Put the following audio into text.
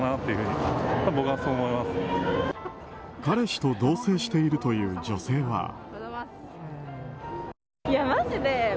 彼氏と同棲しているという女性は。